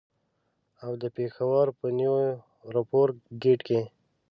او د پېښور په نیو رمپوره ګېټ کې.